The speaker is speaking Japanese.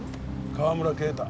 川村啓太。